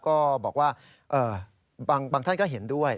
ก็บอกว่าบางท่านก็เห็นด้วย